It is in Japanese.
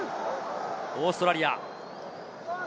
オーストラリア。